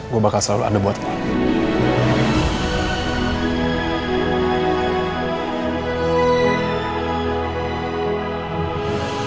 gue bakal selalu ada buat